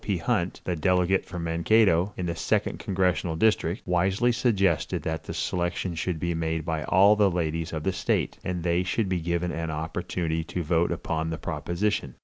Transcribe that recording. P. Hunt, the delegate from Mankato, in the second congressional district, wisely suggested that the selection should be made by all the ladies of the state, and they should be given an opportunity to vote upon the proposition.